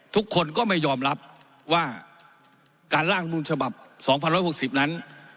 ทุกคนก็ไม่ยอมรับว่าการล่างรุมฉบับสองพันร้อยหกสิบนั้น